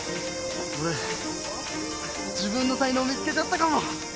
俺自分の才能見つけちゃったかも！